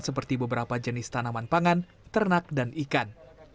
seperti beberapa jenis tanaman pangan ternak dan ikan